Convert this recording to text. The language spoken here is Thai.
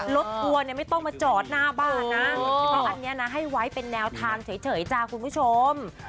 ทัวร์เนี่ยไม่ต้องมาจอดหน้าบ้านนะเพราะอันนี้นะให้ไว้เป็นแนวทางเฉยจ้ะคุณผู้ชม